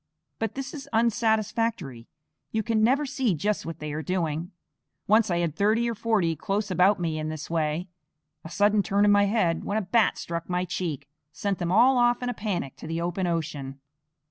But this is unsatisfactory; you can never see just what they are doing. Once I had thirty or forty close about me in this way. A sudden turn of my head, when a bat struck my cheek, sent them all off in a panic to the open ocean.